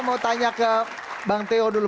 saya mau tanya ke bang teo dulu